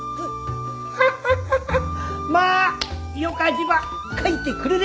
ハハハハまあよか字ば書いてくれれ。